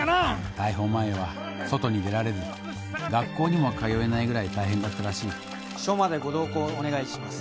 逮捕前は外に出られず学校にも通えないぐらい大変だったらしい署までご同行お願いします